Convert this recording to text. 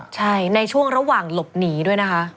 ใช่ในช่วงระหว่างหลบหนีด้วยนะคะ